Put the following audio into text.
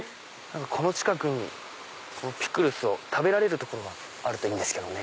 近くにピクルスを食べられる所があるといいんですけどね。